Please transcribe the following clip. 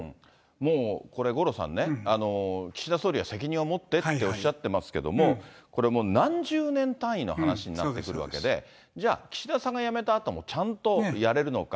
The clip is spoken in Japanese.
もうこれ、五郎さんね、岸田総理は責任を持ってっておっしゃってますけども、これもう、何十年単位の話になってくるわけで、じゃあ、岸田さんが辞めたあともちゃんとやれるのか。